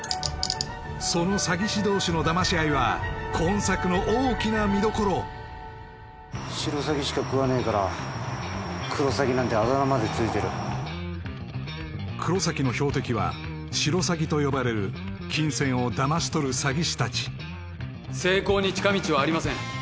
その詐欺師同士のダマし合いは今作の大きな見どころシロサギしか喰わねえからクロサギなんてあだ名までついてる黒崎の標的はシロサギと呼ばれる金銭をダマし取る詐欺師達成功に近道はありません